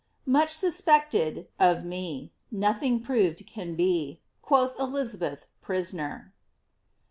^ ^fuch 8uspected^ of me, Nothing proved can be, Quoth Elizabeth, prisoner.